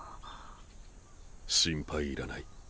心配いらない。